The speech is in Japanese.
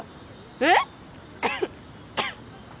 えっ！？